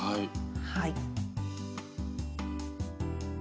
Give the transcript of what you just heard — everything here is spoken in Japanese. はい。